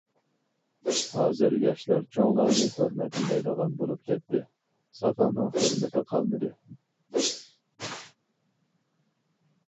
ھازىر ياشلار چوڭلارنى ھۆرمەتلىمەيدىغان بولۇپ كەتتى، ساقالنىڭ ھۆرمىتى قالمىدى.